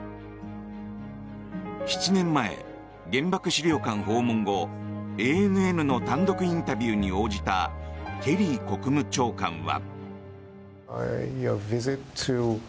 ７年前、原爆資料館訪問後ＡＮＮの単独インタビューに応じたケリー国務長官は。